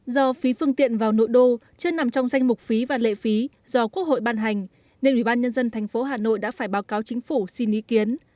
do phí phương tiện vào nội đô chưa nằm trong danh mục phí và lệ phí do quốc hội ban hành nên ubnd tp hà nội đã phải báo cáo chính phủ xin ý kiến